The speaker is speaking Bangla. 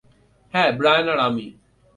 হ্যাঁ, ব্রায়ান আর আমি।